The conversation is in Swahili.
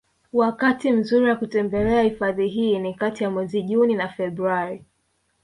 Wakati mzuri wa kutembelea hifadhi hii ni kati ya mwezi Juni na Februari